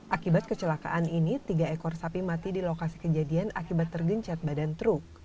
akibat kecelakaan ini tiga ekor sapi mati di lokasi kejadian akibat tergencet badan truk